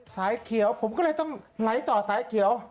สายเขียวผมก็เลยต้องไหลต่อสายเขียว